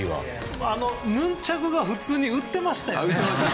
ヌンチャクが普通に売っていましたよね。